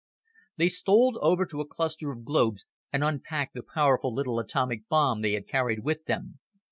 They stole over to a cluster of globes and unpacked the powerful little atomic bomb they had carried with them.